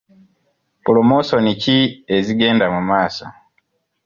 Pulomosoni ki ezigenda mu maaso?